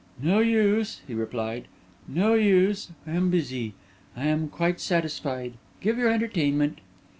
"No use," he replied, "no use; I am busy; I am quite satisfied. Give your entertainment."